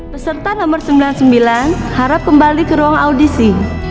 peserta nomor sembilan puluh sembilan harap kembali ke ruang audisi